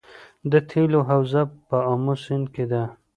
د تیلو حوزه په امو سیند کې ده